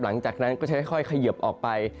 หลังจากนั้นก็จะค่อยเขยิบออกไป